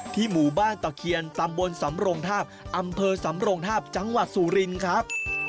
หมู่บ้านตะเคียนตำบลสำรงทาบอำเภอสำรงทาบจังหวัดสุรินครับ